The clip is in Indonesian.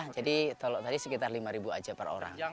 jadi kalau tadi sekitar lima ribu aja per orang